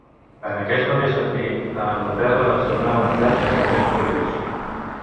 En aquest mateix sentit, a Anglaterra es donà un cas realment curiós.